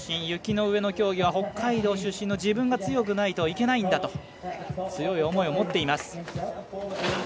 雪の上の競技は北海道出身の自分が強くないといけないんだと強い思いを持っています。